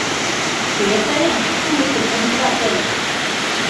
— Кӧ тыйым, тулыкым, обижатлен?